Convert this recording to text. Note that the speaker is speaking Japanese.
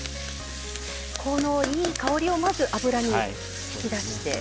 このいい香りをまず油に引き出して。